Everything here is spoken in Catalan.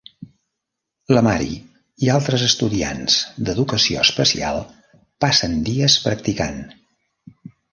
La Mary i altres estudiants d'Educació Especial passen dies practicant.